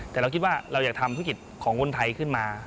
แต่เราคิดว่าเราอยากทำธุรกิจของคนไทยขึ้นมา